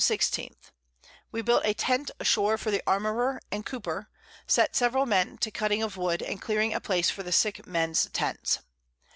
_ We built a Tent a shore for the Armourer and Cooper; set several Men to cutting of Wood, and clearing a Place for the sick Mens Tents.